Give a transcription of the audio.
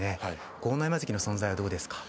豪ノ山関の存在はどうですか。